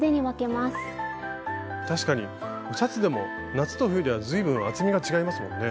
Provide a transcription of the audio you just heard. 確かにシャツでも夏と冬では随分厚みが違いますもんね。